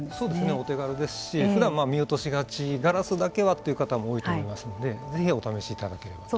お手軽ですしふだん見落としがちガラスだけはという方も多いと思いますのでぜひお試しいただければと。